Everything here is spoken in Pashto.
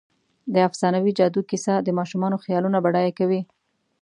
د افسانوي جادو کیسه د ماشومانو خیالونه بډایه کوي.